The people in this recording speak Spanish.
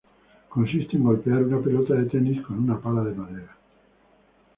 Consiste en golpear una pelota de tenis con una pala de madera.